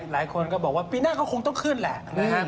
หลายคนก็บอกว่าปีหน้าก็คงต้องขึ้นแหละนะฮะ